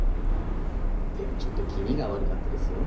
でもちょっと気味が悪かったですよ。